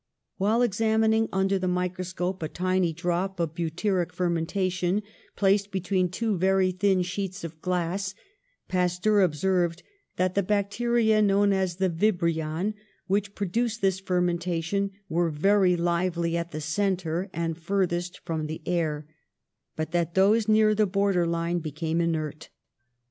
While examining under the mi croscope a tiny drop of butyric fermentation, placed between two very thin sheets of glass, Pasteur observed that the bacteria known as the vibrion, which produce this fermentation, were very lively at the centre and furthest from the air, but that those near the border line be came inert.